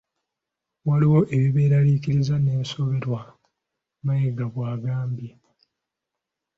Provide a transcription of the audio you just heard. "Waliyo ebibeeraliikiriza n'ensoberwa," Mayiga bwagambye.